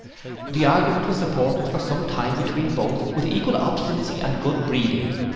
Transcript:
The argument was supported for some time between both with equal obstinacy and good breeding.